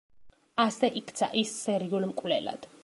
ასე იქცა ის სერიულ მკვლელად.